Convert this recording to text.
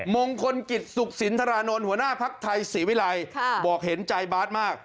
มงคลกิจสุขสินทรานนท์หัวหน้าภักดิ์ไทยศรีวิรัยบอกเห็นใจบาทมาก